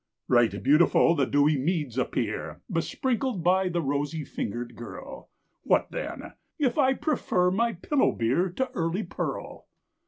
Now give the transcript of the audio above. Right beautiful the dewy meads appear Besprinkled by the rosy finger'd girl; What then, if I prefer my pillow beer To early pearl?